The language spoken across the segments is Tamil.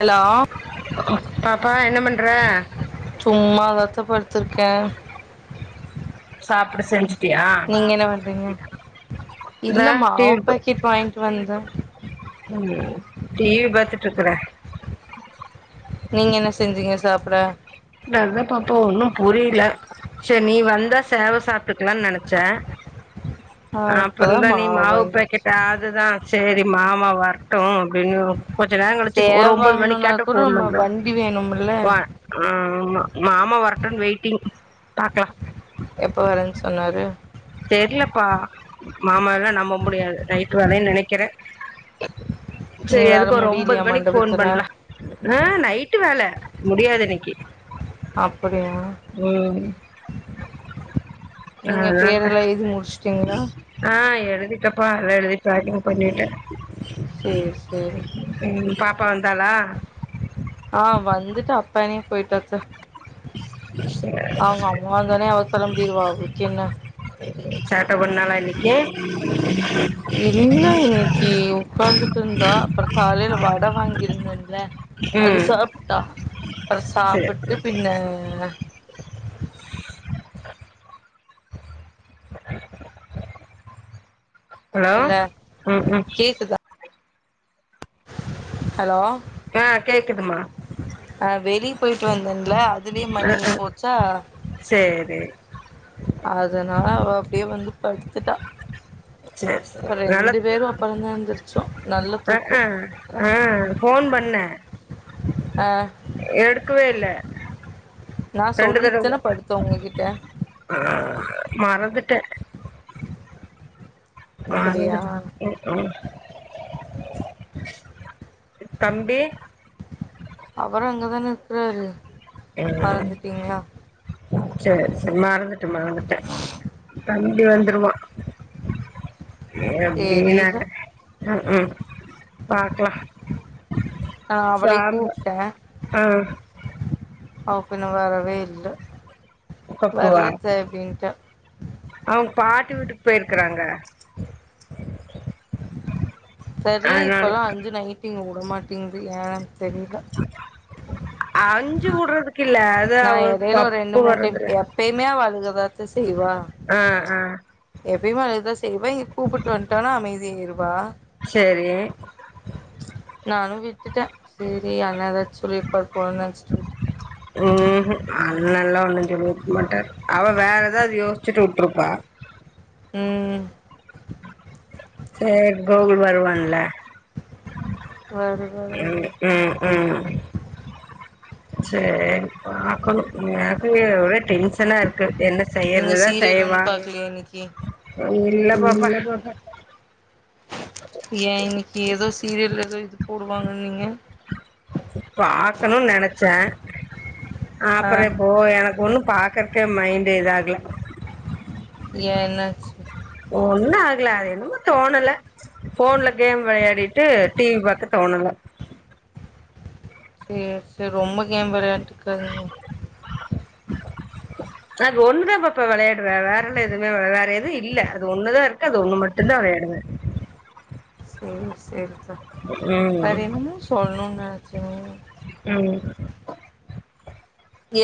ஹலோ பாப்பா என்ன பண்ற சும்மா தாத்த படுத்திருக்கே சாப்பிடு செஞ்சி நீங்க என்ன பண்றீங்க இந்தா ‌இல்லம்மா அவ டிவி பாக்கெட் பாயிண்ட்ல வந்தா ம் டிவி பாத்துட் இருக்கிறே நீங்க என்ன செஞ்சீங்க சாப்ட வேற எதாப் பாப்போ‌ ஒன்னூ புரியில சேர் நீ வந்தா சேவெ சாப்ட்டுக்கலா நெனச்சே ஆ அ இப்பதா அப்புறந்தா நீ மாவு மாவுப் வாங்கி பாக்கெட் வச்சே அதுதா சேரி மாமா வரட்டூ அப்டின்னு கொஞ்சோ நேரோ கழிச்சி ஒரு சேவ் ஒம்போது வாங்கணும்னா மணிக்காட்டோ கூட ஃபோன் நம்ம பண்றே வண்டி வேணும்ல வா ம் மாமா வரட்டூன் வெய்ட்டிங் பாக்லா எப்ப வரே சொன்னாரு தெர்லப்பா மாமெல்லா நம்ப முடியாது நைட்டு வேலைன்னு நெனனக்கிறே நீ சேரி வர எதுக்கு ஒரு ஒன்பது முடியலையா மணிக்கு ஃபோன் மண்டபத்துல பண்லா ஆ நைட்டு வேல முடியாது இன்னக்கி அப்படியா ம் அ நீங்க ஆ பேரெல்லா எழுதி முடிச்சுட்டீங்களா ஆ எழுதிட்டப்பா வேற எழுதி போக்கிங் பண்ணிட்டே சேரி சேரி ம் பாப்பா வந்தாளா ஆ வந்துட்டு அப்பனே போய்ட்டா அத்தெ சேர் அவுங்க அம்மா வந்தோனே அவா கிளம்பிருவா அவளுக்கென்ன சேட்ட பண்ணாளா இன்னக்கி இல்ல இன்னக்கி உக்காந்துட்டிருந்தா அப்றோ காலைல வட வாங்கிருந்தேல்ல அது ம் சாப்ட்டா அப்றோ சரி சாப்பிட்டு பின்ன ஹலோ இல்ல ம் ம் கேக்குதா ஹலோ ஆ கேக்குதுமா அஹ் வெளியே போயிட்டு வந்தேன்ல அதுலயே மணி ஆயி போச்சா சேரி அதனால அவ அப்படியே வந்து படுத்துட்டா சொர் செரி இப்ப நல்ல ரெண்டு பேரும் அப்புறம்தான் எந்திரிச்சோம் நல்ல அ தூக்கம் ஹாங் ஆ ஃபோன் பண்ணே அ எடுக்கவே இல்ல நா ரெண்டு தடவ சொல்லிட்த்தான படுத்தே உங்ககிட்ட ஆ மறந்துட்டே அப்படியா மறந்துரு ம்ம் தம்பி அவரு அங்கதான இர்க்கறாரு அ சேர் சேர் மறந்துட்டு மறந்துட்டே தம்பி வந்துருவா எப்டினா தெரியல ம் ம் பாக்லா நான் சாம்ப ஆ அவப்பின்ன வரவே இல்ல வரலத்த அப்டின்ட்டா அவ்ங் பாட்டி வீட்டுக்கு போய்ருக்றாங்க தெர்ல இப்பல்லா அஞ்சு நைட்டு இங்க வுடமாட்டிங்குது ஏன் தெரில [unintelligible] அஞ்சு வுட்றதுக்கில்ல அது நா அவ எடையில ஒரு ரெண்டு பப்பு மூணு டைம் வர்றது எப்பயுமே அவ அழுகதாத்த செய்வா ஆ ஆ எப்பயுமே அதுதா செய்வா இங்கூப்புட்டு வன்ட்டானா அமைதியாருவா செரி நானு விட்டுட்டே சரி அண்ணா ஏதாச்சு சொல்லிர்ப்பார் போல நெனைச்சிட்டு விட் ம்ஹூம் அண்ணல்லா ஒண்ணு சொல்லிருக்கமாட்டார் அவ வேற ஏதாவது யோசிச்சுட்டு வுட்ருப்பா ம் சேர் கோகுல் வருவான்ல வரு வரு ம் வரு ம் ம் சேரி பாக்கணு எனக்கு இங்க ஒரே டென்ஷனாருக்கு என்ன நீங்க செய்யரததா சீரியல் ஒன்னு செய்வா பாக்கலையா இன்னைக்கி இல்ல பாப்பா ஏ இன்னைக்கு ஏதோ சீரியல்ல ஏதோ இது போடுவாங்கன்னிங்க பாக்கணு நெனச்சே ஆ அப்றோ போ எனக்கு ஒண்ணு பாக்க க்கு மைண்ட் இதாகல ஏ என்னாச்சு ஒண்ணு ஆகல அது என்னமோ தோணல ஃபோன்ல கேம் விளையாடிட்டு டி வி பாக்க தோணல சேர் சேரி ரொம்ப கேம் வெளான்ட்ருக்காதீங்க [unintelligible] அது ஒண்ணுதா பாப்பா விளையார்றே வேறல்ல எதுமே வெள வேற எது இல்ல அது ஒன்னு தா இருக்கு அது ஒண்ணு மட்டு தா வெளையாடுவே செரி செரிதா வேற ம் என்னமோ சொல்ணு நெனச்சே ம்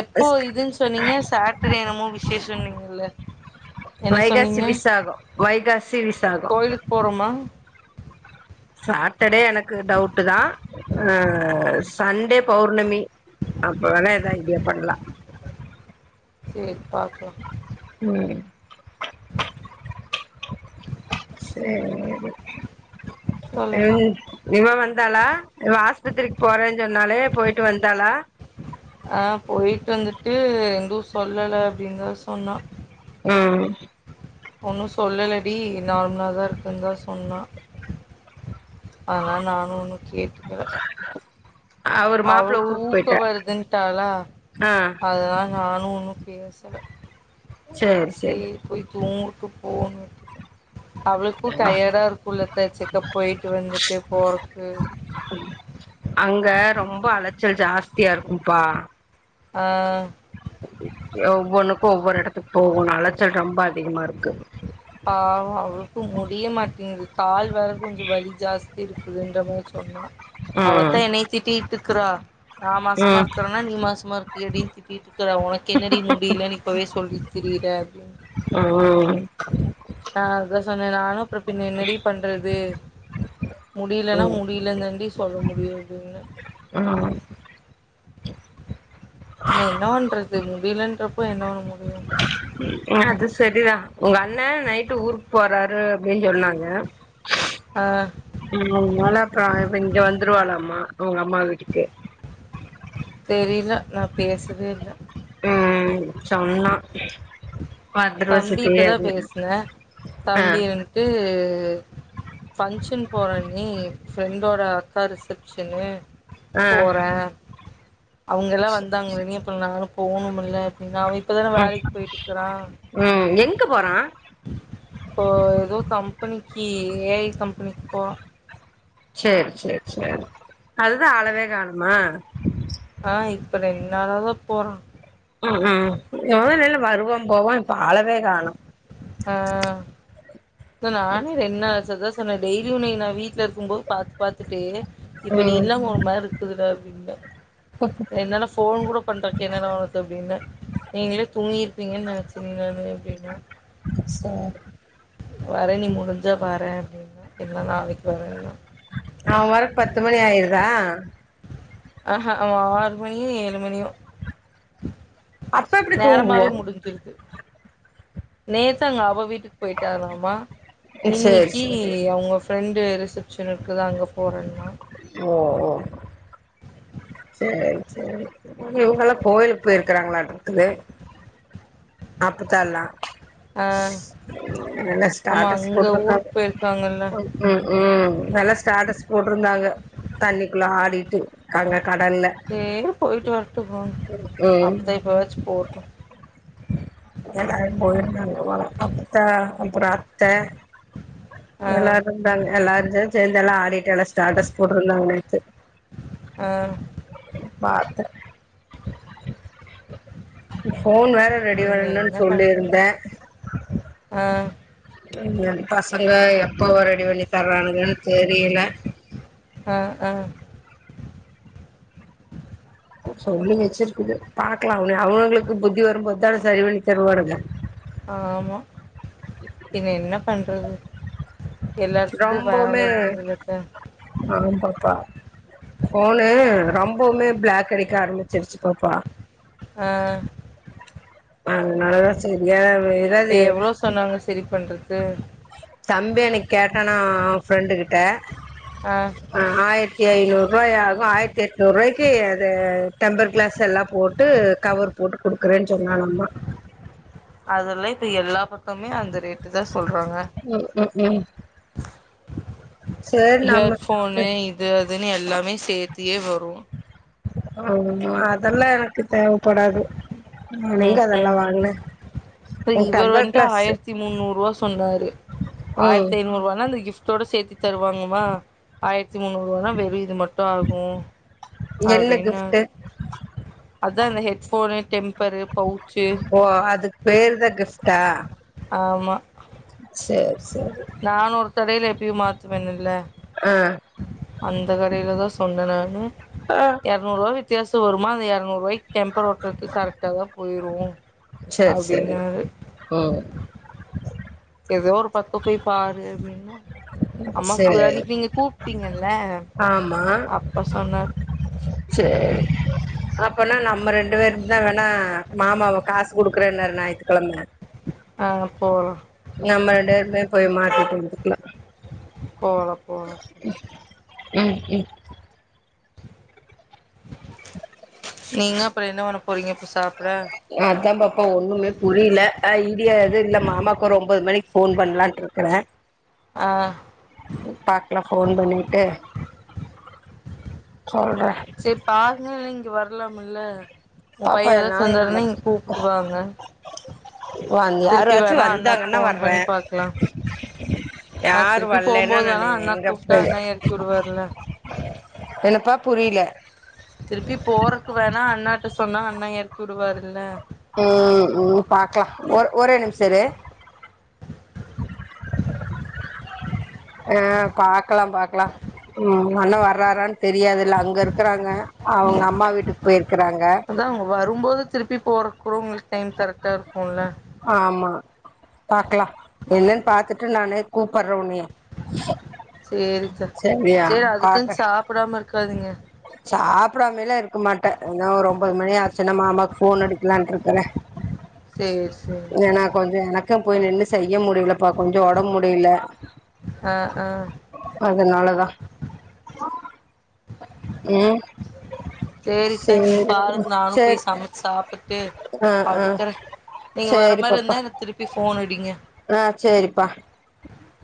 எப்போ இதுன் சொன்னீங்க சேட்டர்டே என்னமோ விஷேசன்னீங்கல்ல வைகாசி விசாகோ வைகாசி விசாகோ கோயிலுக்கு போறோமா சாட்டர்டே எனக்கு டவுட்டு தா அ சண்டே பௌர்ணமி அப்ப வேணா எதா ஐடியா பண்லா சேரி பாக்லா ம் சேரி சொல்லுங்க ம் இவ வந்தாளா இவ ஆஸ்பத்ரிக் போறேன் சொன்னாலே போயிட்டு வந்தாளா ஆ போயிட் வந்துட்டு எதுவு சொல்லல அப்டினு தா சொன்னா ம் ஒன்னு சொல்லலடி நார்ம்லா தா இருக்குனு தா சொன்னா அதனால நானு ஒன்னு கேட்டுக்கல அவரு அவளு மாப்ள ஊருக்கு தூக்க போயிட்டா வருதுன்ட்டாளா ஆ அதனால நானு ஒன்னு பேசல சேர் செரி தூகுட்டு போனு விட்டுடா அவளுக்கு டையாடா இருக்குல்லத்த செக்கப் போயிட் வந்துட்டு போறதக்கு அங்க ரொம்ப அலைச்சல் ஜாஸ்தியா இருக்கும்ப்பா ஆ ஒவ்வொன்னுக்கு ஒவ்வொரு எடத்துக் போகனு அலைச்சல் ரொம்ப அதிகமா இருக்கு பாவோ அவளுக்கு முடிய மாட்டிங்குது கால் வேற கொஞ்ச வலி ஜாஸ் இருக்குதுன்ற மா சொன்ன ம் அவத்தா என்னைய திட்டிகிட்டு இருக்கிறா நா மாசமா ம் இருக்கறனா நீ மாசமா இருக் ரியாட்டி திட்டித்டிட்ருக்ற உனக்கு என்னடி முடியலன்னு இப்பவே சொல்லிட் திரியுற அப்டின் ம் ஆ அதா சொன்னே நானு அப்றப் பின்ன என்னடி பண்றது முடியலனா ம் முடி இல்ல தாண்டி சொல்ல முடியு அப்டின்ன ஆ பின்ன என்ன பண்றது முடியலன்றப்போ என்ன பண்ண முடியு ஆ அது சரிதா உங்க அண்ண நைட்டு் ஊருக்கு போறாரு அப்டின்னு சொன்னாங்க ஆ ம் அதுனால அப்ற இங்க வந்துருவாளம்மா அவங்க அம்மா வீட்டுக்கு தெரில நா பேசவே இல்ல ம் சொன்னா பாத்ருவ தம்பிட்ட சித்தி தா அப்டின்ன ட்டு ஃபங்க்ஷன் போனொன்னி ஃப்ரெண்டோட அக்கா ரிஸ் ஃபங்ஷனு ஆ போற அவங்க எல்லா வந்தாங்க நீ எப் நானு போணுமில்ல அப்டின்ன அவ இப்பதான ம் வேலக் போயிட்ருக்குறா ம் எங்க போறா இப்போ எதோ கம்பனிக்கு ஏ ஐ கம்பனிக்கு போறா சேர் சேர் செரி அதுதா ஆளவே காணோமா ஆ இப்ப ரெண்நாளாதா போறா ம் ம் எவளோ நேர வருவா போவா இப்ப ஆளவே காணோ ஆ ல்ல நானே ரெண்நாள் ஆச்சு அதா சொன்ன டெய்லி உன்னைய நா வீட்டுல இருக்கும்போ பாத் பாத்துட்டு இப்ப நீ ம் இல்லாம ஒரு மாரி இருக்குதுடா அப்டின்ன ரெண் நாள ஃபோன் கூட பண்றதுக் என்னள உனக்கு அப்டின்ன நீங்களே தூங்கிருப்பீங்கன்னு நெனைச்செங் நானு அப்டின்னா சார் வரே னி முடிஞ்சா வர அப்டின்னா இல்ல நாளைக் வரேன்னா அவ வரக் பத்து மணி ஆயிருதா ஆ ஹ அவ ஆறு மணியோ இல்ல ஏழு மணியோ அப்ப எப்டி தூங்குவா நேரமாவே முடிஞ்சிருது நேத்து அங்க அவ வீட்டுக் போயிட்டாலாமா சேரி இன்னிக்கி சேரி அவங்க ஃப்ரெண்டு ரிசப்ஷனு இருக்குது அங்க போறேன்னா ஓ ஓ சேரி சேரி இவங்கெல்லா கோயிலுக்கு போயிருக் போயிருக்காங்களாட்ருக்குது அப்பதாலா ஆ எல்லா ஆமா ஸ்டேட்டஸ் அங்க போட்ருந்தாங்க ஊருக்கு போயிருக்காங்கல்ல [unintelligible] ம் ம் நல்லா ஸ்டாட்டஸ் போட்ருந்தாங்க தண்ணிக்குள்ள ஆடிட்டு அங்க கடல்ல சேர் போய்ட்டு வரட்டு போங் ம் அப்பத்தா இப்பவாச்சு போட்டு எல்லாரு போயிருந்தாங்க போல அப்பத்தா அப்றோ அத்த ஆ எல்லாரு இருந்தாங்க எல்லாருஞ்சா சேந்த எல்லா ஆடிட்டு எல்லா ஸ்டேட்டஸ் போட்டிருந்தாங்க நேத்து அ பாத்து ஃபோன் வே ற ரெடி பின்ன பண்ணணு என்ன பண்றது சொல்லியிருந்தே ஆ ரெடி பண்ணி பசங்க எப்போ ரெடி பண்ணி தர்றானுங்கன்னு தெரியல அ அ கூப்ட் சொல்லி வெச்சிருக்குது பாக்லா அவன அவுங்களுக்கு புத்தி வரும்போத்தான சரி பண்ணி தருவாருனுங்க ஆமா பின்ன என்ன பண்றது எல்லார்த்துக்கு வேல இருக்குதுல அத்த அதையி பாத் தா ஃபோனு ரொம்பவுமே பிளாக் அடிக்க ஆரம்பிச்சிருச்சு பாப்பா ஆ அதனாலா தா செரியா சேர் எவ்ளோ சொன்னாங்க செரி பண்றக்கு தம்பி எனக் கேட்டேனா ஃப்ரெண்டு கிட்ட அ ஆ ஆயிர்த்தி நூருவாய் ஆகு ஆயிரத்தி எட்நூருவாய்க்கு அது டெம்பர் க்ளாஸ் எல்லா போ ட்டு கவர் போட்டு குடுக்குறேன் சொன்னானாமா அதெல்லா இப்ப எல்லா பக்கமே அந்த ரேட்டு தா சொல்றாங்க ம் ம் ம் சேரி ஹீயர் ஃபோனு நம்ம இது அதுன்னு எல்லாமே சேத்தியே வரு [unintelligible] அதெல்லா எனக்கு தேவப்படாது லெங்க ம் அதெல்லா ம் வாங்னே இப்ப இவுர் வந்ட்டு ஆயிரத்தி முன்னூருவா சொன்னாரு ம் ஆயிரத்தை நூருவானா அந்த கிப்டோட சேத்தி தருவாங்கமா ஆயிரத்தி முன்னூறு ரூவனா வெறு இது மட்டு ஆகு என்ன கிஃப்ட்டு அப்டின்னாரு அதா இந்த ஹெட்போனு டெம்பரு பௌச்சு ஓ அதுக் பேருதா கிஃப்டா ஆமா சேரி சேரி நா ஒரு கடைய்ல எப்பயு மாத்துவேனுல்ல ஆ அந்த கடைல தா சொன்ன நானு ஆ எர்நூருவா வித்தியாசோ வருமா அந்த எர்நூ ருவாய்க்கு டெம்பர் ஒட்றதுக்கு கரெட்டா தா போயிரு சேர் சேரி அப்டின்னாரு ம் எதோ ஒரு பக்கப் போய் பாரு அப்டின்னா அம்மாக்கு சேரி அன்னெக் நீங்க கூப்டீங்கல்ல ஆமா அப்ப சொன்னார் சேரி அப்பனா நம்ம ரெண்டு பேரு தா வேணா மாமாவ காசு குடுக்குறேனாரு நாய் கெழமைங்க ஆ அப்போ நம்ம ரெண்டு பேரு போய் போய் மாட்டிட் வந்ருக்லா போலா போலா ம் ம் நீங்க அப்றோ என்ன பண்ண போறீங்க இப்ப சாப்ட அத்தா பாப்பா ஒண்ணுமே புரியல அ இங்க எதுவு இல்ல மாமாக்கு ஒரு ஒன்பது மணிக்கு ஃபோன் பண்லான்ட்ருக்றே ஆ பாக்லா ஃபோன் பண்ணிட்டு சொல்றெ செரிப்பாருங்க இல்ல இங்க வர்லாமுல்ல உ பாப்பா பைய்ய ஏதாச்சு என்னால வந்தாருன்ன இங்க கூப்ட்டுவாங்க வா யாராச்சு வந்தாங்கன்னா ஃபோன் வர்றே பண்ணி பாக்கலா ஆ யாரு திருப்பி வலாலேன்னா போம்போது நா வேணா அண்ணா கூப்பிட்டா எங்கப்போவே அண்ணா எறக்கி விடுவாருல்ல என்னப்பா புரிலே திருப்பி போறக்கு வேணா அண்ணாட்ட சொன்னா அண்ணா எறக்கி உடுவாருல்ல ம் ம் பாக்லா ஒ ஒரே நிம்ஷொ இரு ஆ பாக்லா பாக்லா ம் உங்க அண்ண வர்றாரான் தெரியாதுல்ல அங்க ருக்குறாங்க அவுங்க ம்மா வீட்டுக்கு போயிருக்குறாங்க அதா அவுங்க வரும்போது திருப்பி போறக்கூட உங்ளுக் டைம் கரெட்டா இருக்குல்ல ஆமா பாக்லா என்னன்னு பாத்துட்டு நானு கூப்புட்ற உன்னைய்ய செரியா பாக்குற ப்டாம இருக்காதீங்க சாப்டாமல்லா இருக்க மாட்டே இன்னு ஒரு ஒன்பது மணி ஆச்சுன்னா மாமாக்கு ஃபோன் அடிக்கலான்ட்ருக்குறே சேர் சேரி ஏன்னா கொஞ்சோ எனக்கு போய் நின்னு செய்ய முடில இப்பா கொஞ்சோ ஒடம்முடியல ஆ ஆ அதனாலத ம் செரித்த சேரி நீங்கபாருங் நானு போய் சேரி சமச்சி சாப்புட்டு ஆ ஆ நீங்க சேரி பாப்பா வரமார்ருந்தா எனக்கு திருப்பி ஃபோன் அடிங்க ஆ சேரிப்பா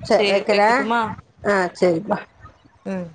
செர் சேரி வெக்கிறே வைக்கட்டுமா ஆ சேரிப்பா ம்